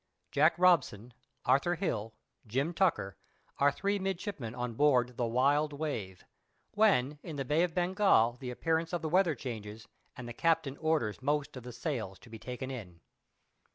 "* [Jack Robson, Arthur Hill, Jim Tucker, are three midshipmen on board the Wild Wave. When in the Bay of Bengal the appearance of the weather changes, and the captain orders most of the sails to be taken in.